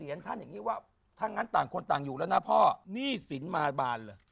ท่านอย่างนี้ว่าถ้างั้นต่างคนต่างอยู่แล้วนะพ่อหนี้สินมาบานเลย